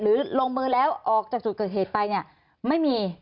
ลงมือแล้วออกจากจุดเกิดเหตุไปเนี่ยไม่มี